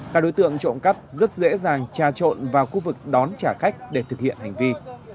các đối tượng trộm cắp rất dễ dàng tra trộn vào khu vực đón trả khách để thực hiện hành vi